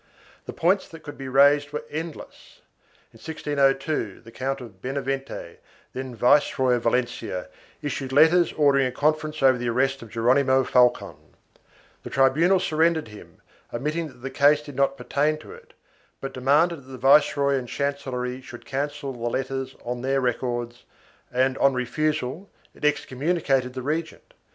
The points that could be raised were endless. In 1602, the Count of Benavente, then Viceroy of Valencia, issued letters ordering a conference over the arrest of Geronimo Falcon; the tribunal surrendered him, admitting that the case did not pertain to it, but demanded that the viceroy and chancellery should cancel the letters on their records and, on refusal, it excommunicated the regent.